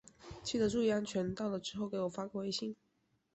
记得注意安全，到了之后给我发个微信。